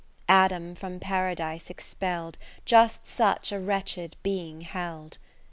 Adam from Paradise expell'd Just such a wretched being held.